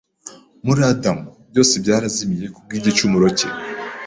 Muri Adamu, byose byarazimiye ku bw’igicumuro cye.